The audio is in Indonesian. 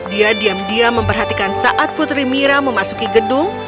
dia diam diam memperhatikan saat putri mira memasuki gedung